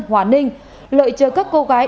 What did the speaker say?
hòa ninh lợi chờ các cô gái